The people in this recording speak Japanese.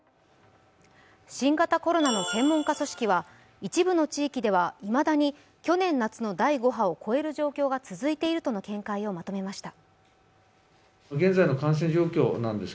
新型コロナの専門家組織は一部の地域ではいまだに去年夏の第５波を超える状況が続いているとの見解をまとめました。